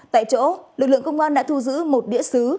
tại chỗ lực lượng công an đã thu giữ một đĩa xứ